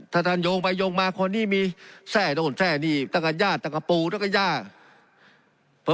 ถ้าท่านโยงไปโยงมาคนนี้มีแทร่โดนแทร่หนีบตั้งกับญาติตั้งกับปูตั้งกับญาติ